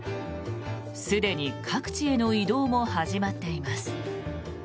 すでに各地への移動も始まっています。